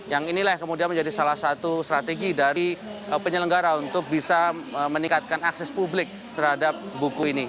yang inilah yang kemudian menjadi salah satu strategi dari penyelenggara untuk bisa meningkatkan akses publik terhadap buku ini